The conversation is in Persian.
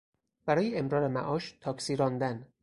برای امرار معاش تاکسی راندن